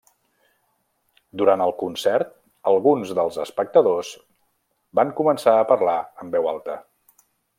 Durant el concert, alguns dels espectadors van començar a parlar en veu alta.